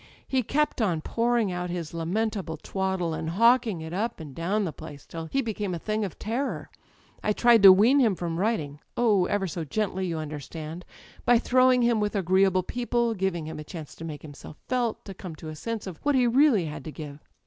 He kept on pouring out his lamentable twaddle, and hawking it up and down the place till he became a thing of terror, I tried to wean him from writing â€" oh, ever so gently, you understand, by throwing him with agreeable people, giving him a chance to make himself felt, to come to a sense of what he really had to give.